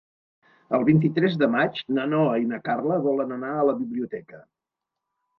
El vint-i-tres de maig na Noa i na Carla volen anar a la biblioteca.